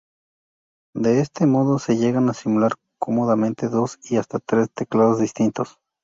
De este modo se llegan a simular cómodamente dos y hasta tres teclados distintos.